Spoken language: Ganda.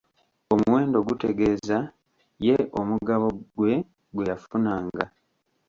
Omuwendo gutegeeza ye omugabo gwe gwe yafunanga.